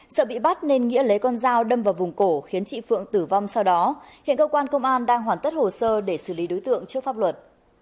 sợ bị bắt nên nghĩa lấy con dao đâm vào vùng cổ khiến chị phượng tử vong sau đó hiện cơ quan công an đang hoàn tất hồ sơ để xử lý đối tượng trước pháp luật